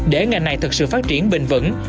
để ngành này thực sự phát triển bình vẩn